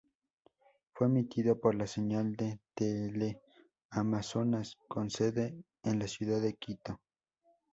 Fue emitido por la señal de Teleamazonas con sede en la ciudad de Quito.